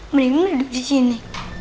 mendingan hidup disini